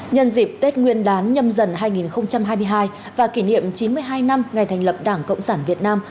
nhân dịp tết nguyên đán nhâm dần hai nghìn hai mươi hai và kỷ niệm chín mươi hai năm ngày thành lập đảng cộng sản việt nam